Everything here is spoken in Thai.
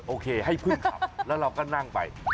โอเคให้เพื่อนขับแล้วเราก็นั่งไป